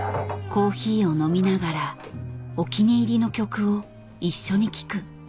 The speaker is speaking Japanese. コーヒーを飲みながらお気に入りの曲を一緒に聴く